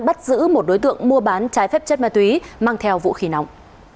bắt giữ một đối tượng mua bán trái phép chất ma túy mang theo vũ khí nóng